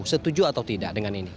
setuju atau tidak dengan ini